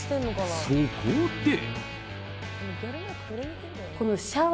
そこで。